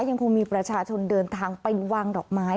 ยังคงมีประชาชนเดินทางไปวางดอกไม้